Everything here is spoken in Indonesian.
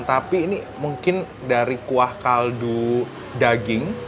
tapi ini mungkin dari kuah kaldu daging